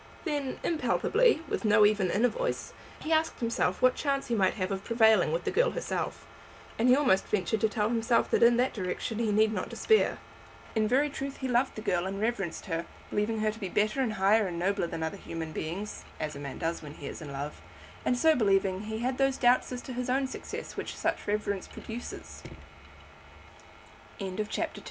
Then, impalpably, with no even inner voice, he asked himself what chance he might have of prevailing with the girl herself; and he almost ventured to tell himself that in that direction he need not despair. In very truth he loved the girl and reverenced her, believing her to be better and higher and nobler than other human beings, as a man does when he is in love; and so believing, he had those doubts as to his own succe